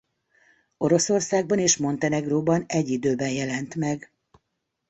Oroszországban és Montenegróban egyidőben jelent meg.